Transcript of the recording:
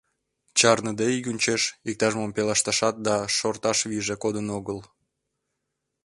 Чарныде ӱгынчеш, иктаж-мом пелешташат да шорташат вийже кодын огыл.